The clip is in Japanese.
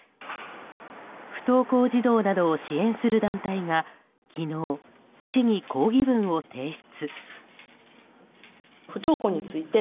不登校児童などを支援する団体が昨日、市に抗議文を提出。